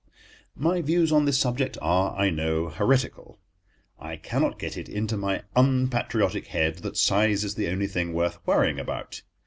My views on this subject are, I know, heretical. I cannot get it into my unpatriotic head that size is the only thing worth worrying about.